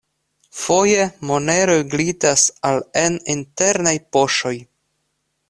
Foje, moneroj glitas al en internaj poŝoj.